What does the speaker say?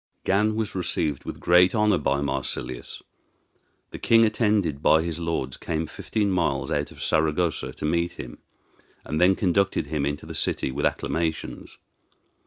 Gan was received with great honor by Marsilius. The king, attended by his lords, came fifteen miles out of Saragossa to meet him, and then conducted him into the city with acclamations.